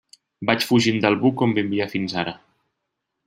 Vaig fugint del buc on vivia fins ara.